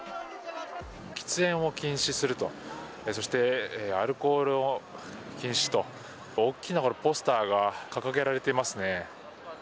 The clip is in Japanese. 喫煙を禁止するとそして、アルコールを禁止と大きなポスターが掲げられていますね。